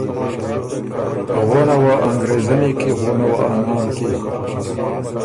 غونه وه انګرېزنی کی غونه وه ا نام کی،